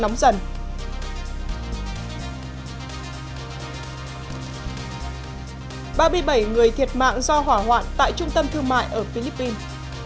ba mươi bảy người thiệt mạng do hỏa hoạn tại trung tâm thương mại ở philippines